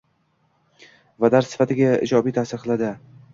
va dars sifatiga ijobiy ta’sir qiladi.